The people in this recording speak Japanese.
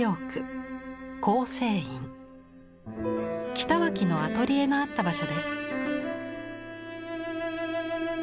北脇のアトリエのあった場所です。